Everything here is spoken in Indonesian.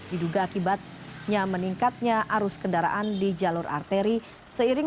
diduga akibatnya meningkatnya arus kendaraan di jalur arteri seiring